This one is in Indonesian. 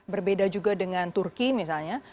berbeda juga dengan turki misalnya